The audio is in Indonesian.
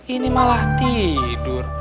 ini malah tidur